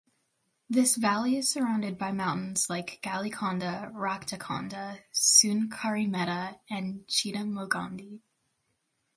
This valley is surrounded by mountains like Galikonda, Raktakonda, Sunkarimetta and Chitamogondi.